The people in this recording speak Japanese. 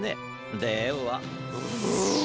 では。